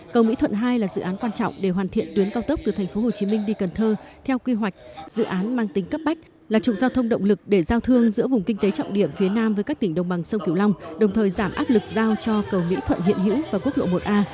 cầu mỹ thuận hai là dự án quan trọng để hoàn thiện tuyến cao tốc từ tp hcm đi cần thơ theo quy hoạch dự án mang tính cấp bách là trục giao thông động lực để giao thương giữa vùng kinh tế trọng điểm phía nam với các tỉnh đồng bằng sông kiều long đồng thời giảm áp lực giao cho cầu mỹ thuận hiện hữu và quốc lộ một a